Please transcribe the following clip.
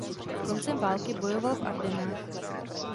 Koncem války bojoval v Ardenách.